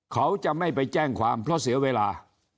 เขาจะไม่ไปแจ้งความเพราะเสียเวลา